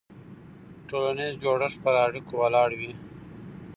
ټولنیز جوړښت پر اړیکو ولاړ وي.